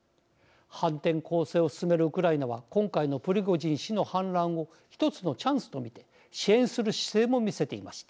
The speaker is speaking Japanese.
反転攻勢を進めるウクライナは今回のプリゴジン氏の反乱を一つのチャンスと見て支援する姿勢も見せていました。